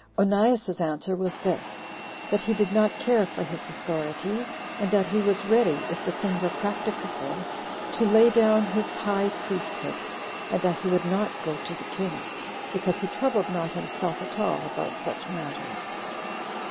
Onias's answer was this: That he did not care for his authority, and that he was ready, if the thing were practicable, to lay down his high priesthood; and that he would not go to the king, because he troubled not himself at all about such matters.